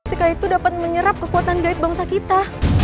ketika itu dapat menyerap kekuatan gaib bangsa kita